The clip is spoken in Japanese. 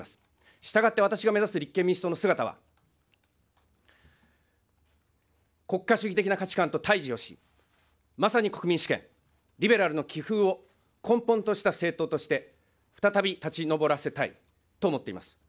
したがって私が目指す立憲民主党の姿は、国家主義的な価値観と対じをし、まさに国民主権、リベラルの気風を根本とした政党として、再び立ちのぼらせたいと思っています。